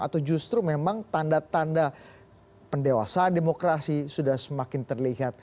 atau justru memang tanda tanda pendewasaan demokrasi sudah semakin terlihat